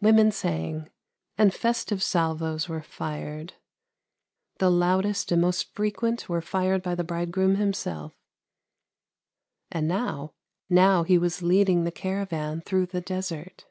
Women sang, and festive salvoes were fired; the loudest and most fre quent were fired by the bridegroom himself, and now — now he was leading the caravan through the desert.